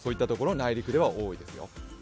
内陸では多いですよ。